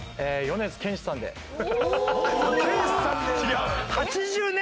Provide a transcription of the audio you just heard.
米津玄師さんで歌う。